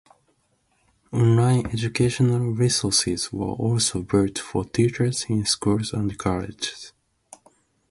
Online educational resources were also built for teachers in schools and colleges.